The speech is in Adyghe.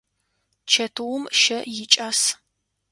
Чэтыум щэ икӏас.